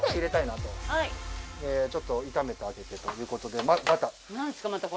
ちょっと炒めてあげてということでバター。